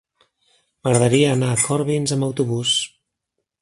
M'agradaria anar a Corbins amb autobús.